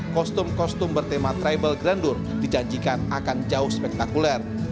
kostum kostum bertema trible grandur dijanjikan akan jauh spektakuler